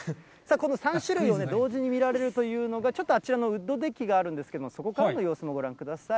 この３種類、同時に見られるというのが、ちょっとあちらにウッドデッキがあるんですけれども、そこからの様子をご覧ください。